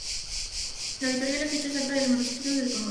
La autoría y la fecha exacta del manuscrito se desconocen.